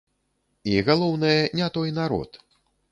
І, галоўнае, не той народ.